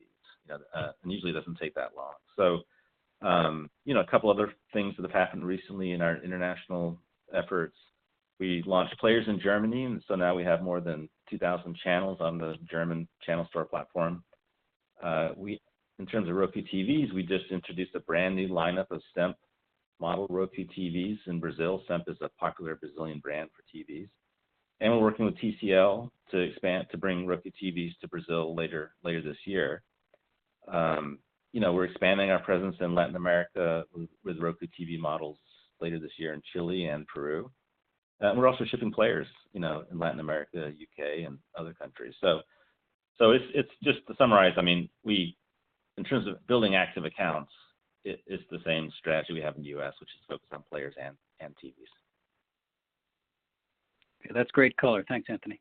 Usually it doesn't take that long. You know, a couple other things that have happened recently in our international efforts, we launched players in Germany, and now we have more than 2,000 channels on the German channel store platform. In terms of Roku TVs, we just introduced a brand-new lineup of SEMP model Roku TVs in Brazil. SEMP is a popular Brazilian brand for TVs. We're working with TCL to bring Roku TVs to Brazil later this year. You know, we're expanding our presence in Latin America with Roku TV models later this year in Chile and Peru. We're also shipping players, you know, in Latin America, U.K., and other countries. It's just to summarize, I mean, in terms of building active accounts, it is the same strategy we have in the U.S., which is focused on players and TVs. That's great color. Thanks, Anthony.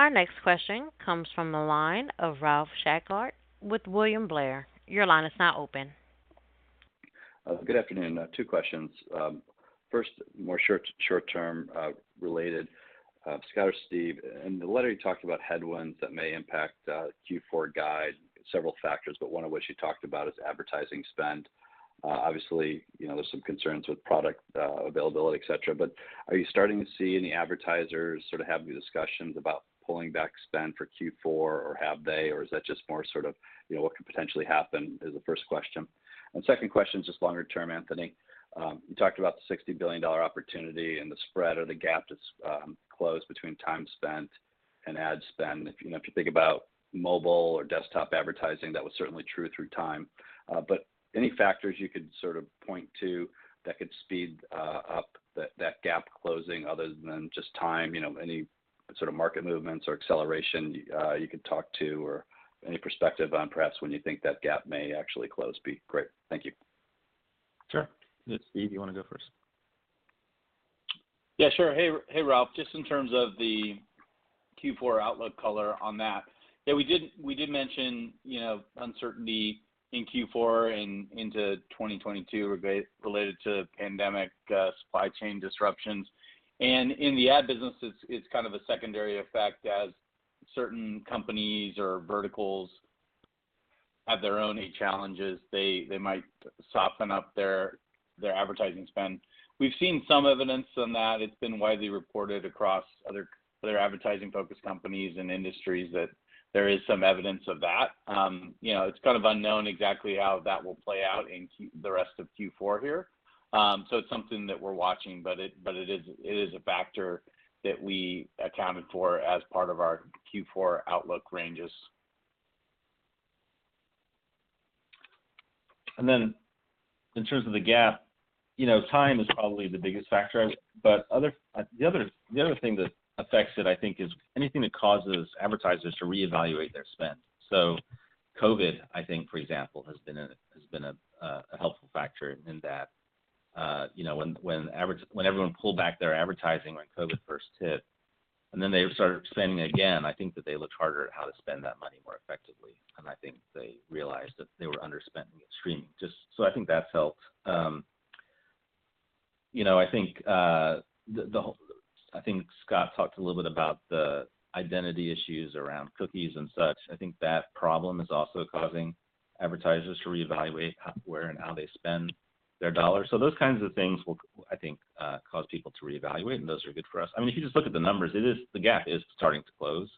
Our next question comes from the line of Ralph Schackart with William Blair. Your line is now open. Good afternoon. Two questions. First, short-term related. Scott or Steve, in the letter you talked about headwinds that may impact Q4 guide, several factors, but one of which you talked about is advertising spend. Obviously, you know, there's some concerns with product availability, et cetera. But are you starting to see any advertisers sort of having these discussions about pulling back spend for Q4, or have they, or is that just more sort of, you know, what could potentially happen, is the first question. Second question is just longer term, Anthony. You talked about the $60 billion opportunity and the spread or the gap that's closed between time spent and ad spend. If, you know, if you think about mobile or desktop advertising, that was certainly true through time. Any factors you could sort of point to that could speed up that gap closing other than just time? You know, any sort of market movements or acceleration you could talk to or any perspective on perhaps when you think that gap may actually close would be great. Thank you. Sure. Steve, you wanna go first? Yeah, sure. Hey, Ralph. Just in terms of the Q4 outlook color on that, yeah, we did mention, you know, uncertainty in Q4 and into 2022 related to pandemic, supply chain disruptions. In the ad business, it's kind of a secondary effect as certain companies or verticals have their own challenges. They might soften up their advertising spend. We've seen some evidence on that. It's been widely reported across other advertising-focused companies and industries that there is some evidence of that. You know, it's kind of unknown exactly how that will play out in the rest of Q4 here. So it's something that we're watching, but it is a factor that we accounted for as part of our Q4 outlook ranges. In terms of the gap, you know, time is probably the biggest factor. Other, the other thing that affects it, I think, is anything that causes advertisers to reevaluate their spend. COVID, I think for example, has been a helpful factor in that. You know, when everyone pulled back their advertising when COVID first hit, and then they started spending again, I think that they looked harder at how to spend that money more effectively. I think they realized that they were underspending in streaming. I think that's helped. You know, I think Scott talked a little bit about the identity issues around cookies and such. I think that problem is also causing advertisers to reevaluate where and how they spend their dollars. Those kinds of things will, I think, cause people to reevaluate, and those are good for us. I mean, if you just look at the numbers, the gap is starting to close.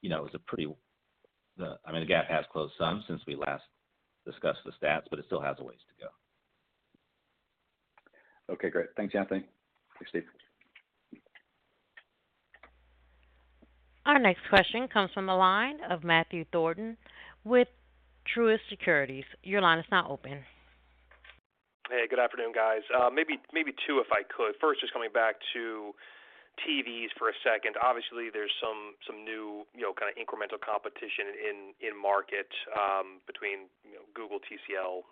You know, I mean, the gap has closed some since we last discussed the stats, but it still has a ways to go. Okay, great. Thanks, Anthony. Thanks, Steve. Our next question comes from the line of Matthew Thornton with Truist Securities. Your line is now open. Hey, good afternoon, guys. Maybe two, if I could. First, just coming back to TVs for a second. Obviously, there's some new, you know, kind of incremental competition in market between, you know, Google, TCL,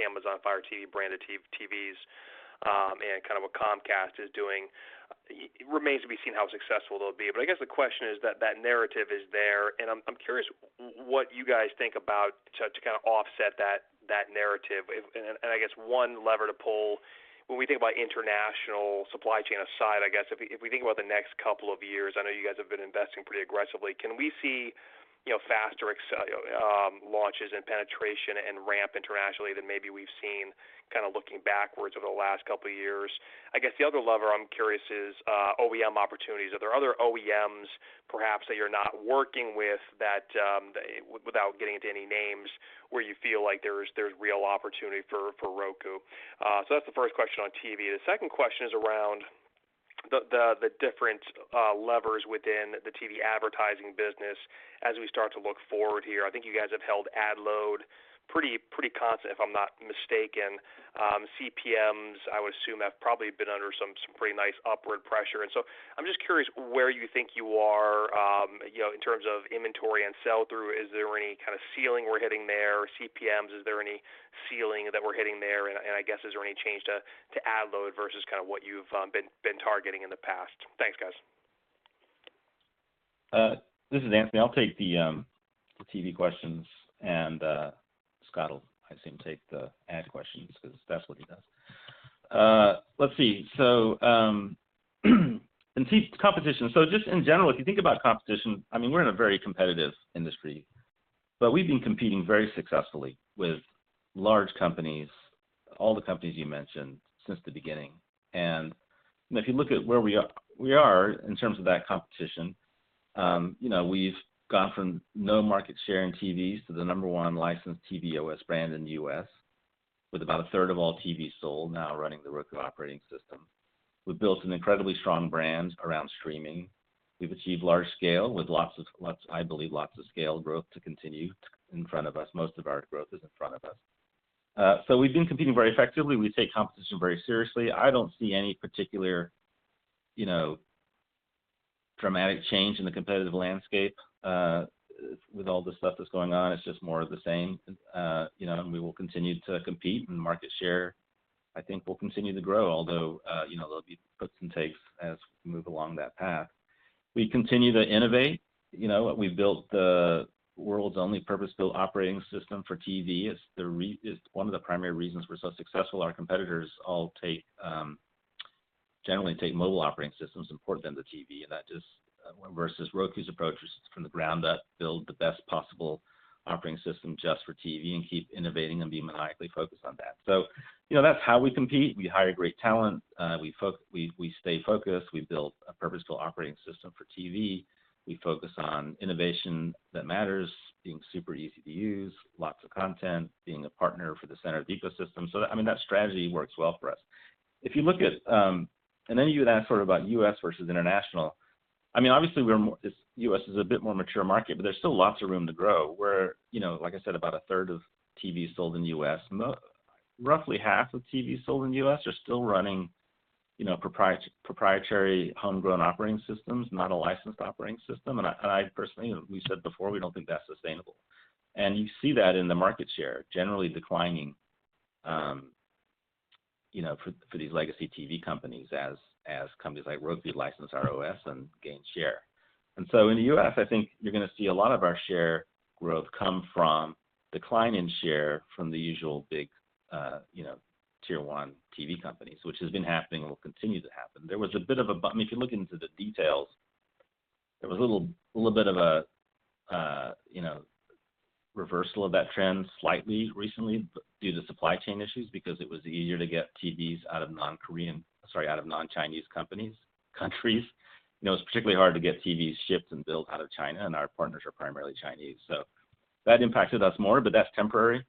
Amazon Fire TV branded TVs, and kind of what Comcast is doing. It remains to be seen how successful they'll be. I guess the question is that narrative is there, and I'm curious what you guys think about how to kind of offset that narrative. I guess one lever to pull when we think about international supply chain aside, if we think about the next couple of years, I know you guys have been investing pretty aggressively. Can we see, you know, faster launches and penetration and ramp internationally than maybe we've seen kind of looking backwards over the last couple of years? I guess the other lever I'm curious is OEM opportunities. Are there other OEMs perhaps that you're not working with that, without getting into any names, where you feel like there's real opportunity for Roku? So that's the first question on TV. The second question is around the different levers within the TV advertising business as we start to look forward here. I think you guys have held ad load pretty constant, if I'm not mistaken. CPMs, I would assume, have probably been under some pretty nice upward pressure. I'm just curious where you think you are, you know, in terms of inventory and sell-through. Is there any kind of ceiling we're hitting there? CPMs, is there any ceiling that we're hitting there? I guess, is there any change to ad load versus kind of what you've been targeting in the past? Thanks, guys. This is Anthony. I'll take the TV questions and Scott will, I assume, take the ad questions because that's what he does. Just in general, if you think about competition, I mean, we're in a very competitive industry. We've been competing very successfully with large companies, all the companies you mentioned, since the beginning. If you look at where we are, we are in terms of that competition, you know, we've gone from no market share in TVs to the number one licensed TV OS brand in the U.S., with about 1/3 of all TVs sold now running the Roku operating system. We've built an incredibly strong brand around streaming. We've achieved large scale with lots of scale growth to continue in front of us. Most of our growth is in front of us. We've been competing very effectively. We take competition very seriously. I don't see any particular, you know, dramatic change in the competitive landscape with all the stuff that's going on. It's just more of the same. You know, we will continue to compete and market share I think will continue to grow, although, you know, there'll be puts and takes as we move along that path. We continue to innovate. You know, we've built the world's only purpose-built operating system for TV. It's one of the primary reasons we're so successful. Our competitors all generally take mobile operating systems and port them to TV. Versus Roku's approach, which is from the ground up, build the best possible operating system just for TV and keep innovating and be maniacally focused on that. So, you know, that's how we compete. We hire great talent. We stay focused. We build a purpose-built operating system for TV. We focus on innovation that matters, being super easy to use, lots of content, being a partner for the center of the ecosystem. So I mean, that strategy works well for us. If you look at. You had asked sort of about U.S. versus international. I mean, obviously, the U.S. is a bit more mature market, but there's still lots of room to grow. We're, you know, like I said, about 1/3 of TVs sold in the U.S. Roughly half of TVs sold in the U.S. are still running, you know, proprietary homegrown operating systems, not a licensed operating system. I personally, we said before, we don't think that's sustainable. You see that in the market share generally declining, you know, for these legacy TV companies as companies like Roku license our OS and gain share. In the U.S., I think you're gonna see a lot of our share growth come from decline in share from the usual big, you know, tier one TV companies, which has been happening and will continue to happen. There was a bit of a. I mean, if you look into the details, there was a little bit of a, you know, reversal of that trend slightly recently due to supply chain issues because it was easier to get TVs out of non-Chinese companies, countries. You know, it's particularly hard to get TVs shipped and built out of China, and our partners are primarily Chinese. So that impacted us more, but that's temporary.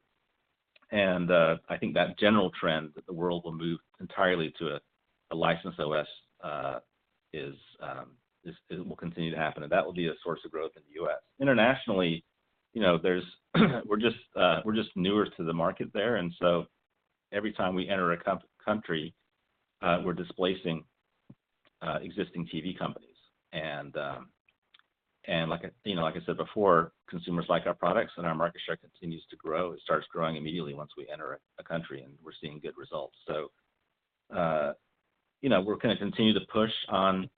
I think that general trend that the world will move entirely to a licensed OS is will continue to happen, and that will be a source of growth in the U.S. Internationally, you know, we're just newer to the market there. Every time we enter a country, we're displacing existing TV companies. Like I said before, consumers like our products and our market share continues to grow. It starts growing immediately once we enter a country and we're seeing good results. You know, we're gonna continue to push on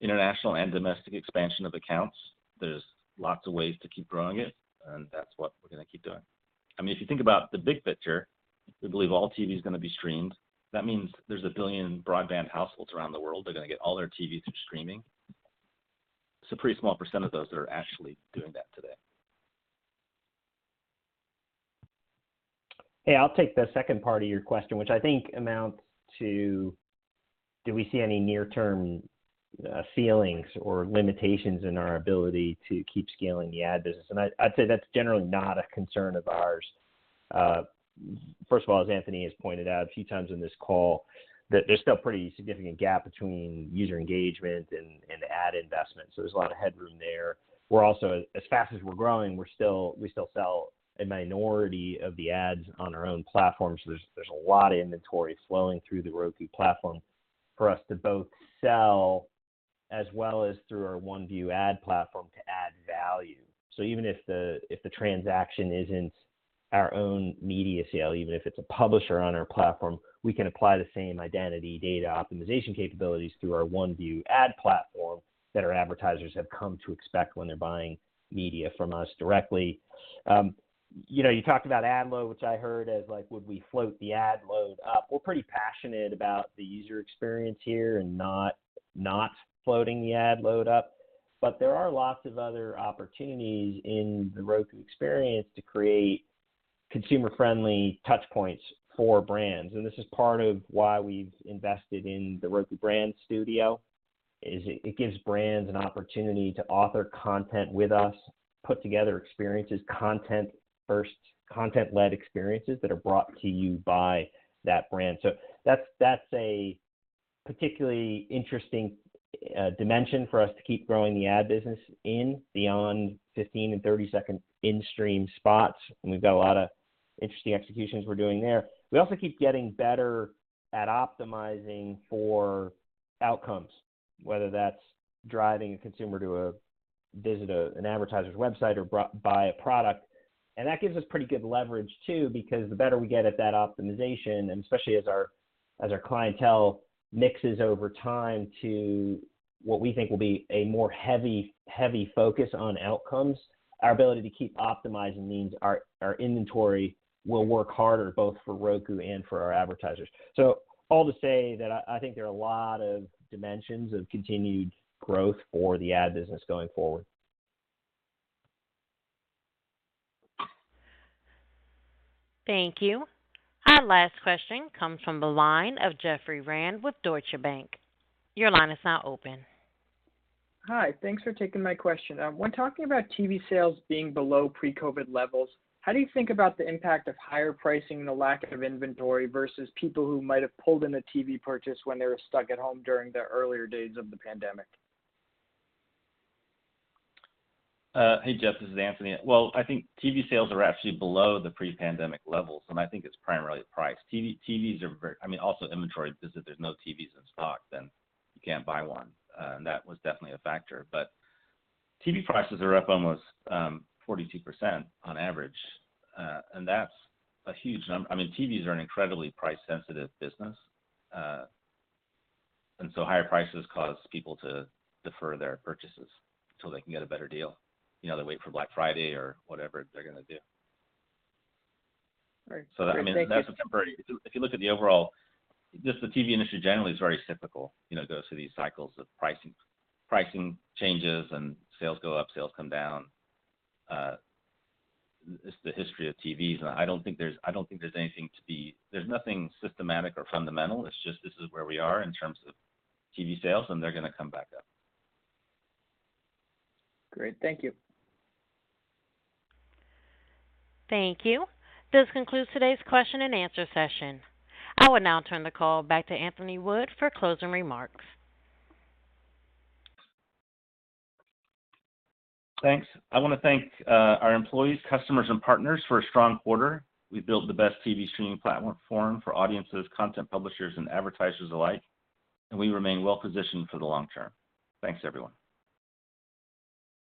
international and domestic expansion of accounts. There's lots of ways to keep growing it, and that's what we're gonna keep doing. I mean, if you think about the big picture, we believe all TV is gonna be streamed. That means there's 1 billion broadband households around the world that are gonna get all their TV through streaming. It's a pretty small percent of those that are actually doing that today. Hey, I'll take the second part of your question, which I think amounts to do we see any near-term ceilings or limitations in our ability to keep scaling the ad business? I'd say that's generally not a concern of ours. First of all, as Anthony has pointed out a few times in this call, there's still pretty significant gap between user engagement and ad investment, so there's a lot of headroom there. We're also as fast as we're growing, we still sell a minority of the ads on our own platform, so there's a lot of inventory flowing through The Roku Platform for us to both sell as well as through our OneView ad platform to add value. Even if the transaction isn't our own media sale, even if it's a publisher on our platform, we can apply the same identity data optimization capabilities through our OneView that our advertisers have come to expect when they're buying media from us directly. You know, you talked about ad load, which I heard as, like, would we float the ad load up. We're pretty passionate about the user experience here and not floating the ad load up. There are lots of other opportunities in the Roku experience to create consumer-friendly touchpoints for brands. This is part of why we've invested in the Roku Brand Studio, is it gives brands an opportunity to author content with us, put together experiences, content-first, content-led experiences that are brought to you by that brand. That's a particularly interesting dimension for us to keep growing the ad business in beyond 15- and 30-second in-stream spots, and we've got a lot of interesting executions we're doing there. We also keep getting better at optimizing for outcomes, whether that's driving a consumer to a visit, an advertiser's website or buy a product. That gives us pretty good leverage, too, because the better we get at that optimization, and especially as our clientele mixes over time to what we think will be a more heavy focus on outcomes, our ability to keep optimizing means our inventory will work harder both for Roku and for our advertisers. All to say that I think there are a lot of dimensions of continued growth for the ad business going forward. Thank you. Our last question comes from the line of Jeffrey Rand with Deutsche Bank. Your line is now open. Hi. Thanks for taking my question. When talking about TV sales being below pre-COVID levels, how do you think about the impact of higher pricing and the lack of inventory versus people who might have pulled in a TV purchase when they were stuck at home during the earlier days of the pandemic? Hey, Jeff, this is Anthony. Well, I think TV sales are actually below the pre-pandemic levels, and I think it's primarily price. TVs are also inventory, because if there's no TVs in stock, then you can't buy one, and that was definitely a factor. TV prices are up almost 42% on average, and that's a huge number. I mean, TVs are an incredibly price-sensitive business. Higher prices cause people to defer their purchases till they can get a better deal. You know, they wait for Black Friday or whatever they're gonna do. All right. Great. Thank you. That, I mean, that's temporary. If you look at the overall, just the TV industry generally is very cyclical. You know, it goes through these cycles of pricing changes and sales go up, sales come down. It's the history of TVs, and I don't think there's anything to be. There's nothing systematic or fundamental. It's just this is where we are in terms of TV sales, and they're gonna come back up. Great. Thank you. Thank you. This concludes today's question and answer session. I will now turn the call back to Anthony Wood for closing remarks. Thanks. I wanna thank our employees, customers and partners for a strong quarter. We built the best TV streaming platform for audiences, content publishers and advertisers alike, and we remain well positioned for the long term. Thanks, everyone.